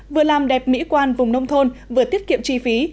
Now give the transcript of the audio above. vừa làm đẹp mỹ quan vùng nông thôn vừa tiết kiệm chi phí